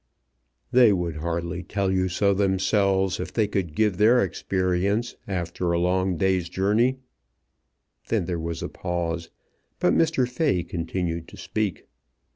"They would hardly tell you so themselves if they could give their experience after a long day's journey." Then there was a pause, but Mr. Fay continued to speak.